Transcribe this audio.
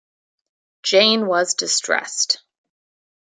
Jane was distressed.